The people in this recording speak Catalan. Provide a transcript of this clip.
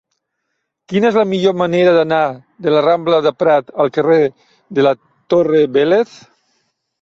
Quina és la millor manera d'anar de la rambla de Prat al carrer de la Torre Vélez?